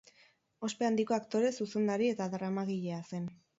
Ospe handiko aktore, zuzendari eta dramagilea zen.